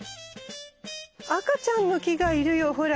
赤ちゃんの木がいるよほら。